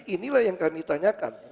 itulah yang kami tanyakan